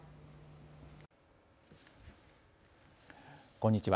こんにちは。